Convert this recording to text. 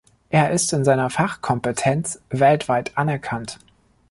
Es ist in seiner Fachkompetenz weltweit anerkannt.